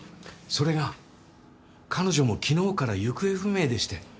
それが彼女も昨日から行方不明でして。